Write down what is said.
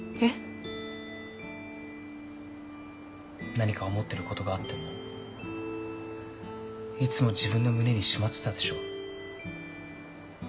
何か思ってることがあってもいつも自分の胸にしまってたでしょ。